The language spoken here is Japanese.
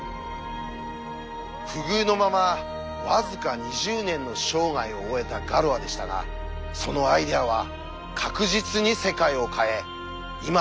不遇のまま僅か２０年の生涯を終えたガロアでしたがそのアイデアは確実に世界を変え今も生きている。